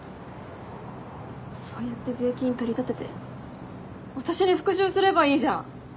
そうやって税金取り立てて私に復讐すればいいじゃん。